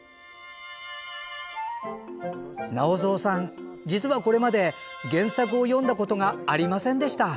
直三さん、実はこれまで原作を読んだことがありませんでした。